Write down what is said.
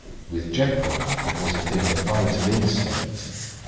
With Jekyll, it was a thing of vital instinct.